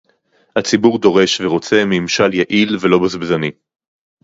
הציבור דורש ורוצה ממשל יעיל ולא בזבזני